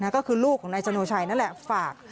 ก็คือลูกของนายสโนชัยนั่นแหละฝาก